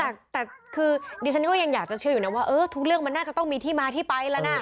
แต่คือดิฉันก็ยังอยากจะเชื่ออยู่นะว่าเออทุกเรื่องมันน่าจะต้องมีที่มาที่ไปแล้วนะ